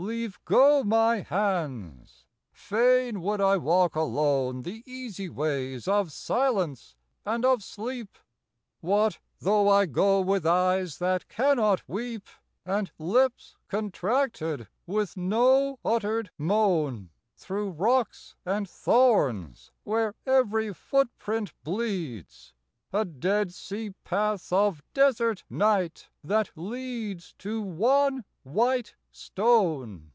Leave go my hands. Fain would I walk alone The easy ways of silence and of sleep. What though I go with eyes that cannot weep, And lips contracted with no uttered moan, Through rocks and thorns, where every footprint bleeds, A dead sea path of desert night that leads To one white stone!